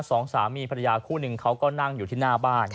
สองสามีภรรยาคู่หนึ่งเขาก็นั่งอยู่ที่หน้าบ้าน